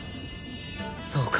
そうか。